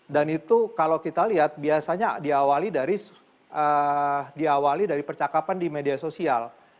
dan itu kalau kita lihat biasanya diawali dari percakapan di media sosial